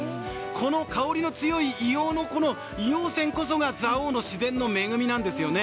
この香りの強い硫黄泉こそが、蔵王の自然の恵みなんですよね。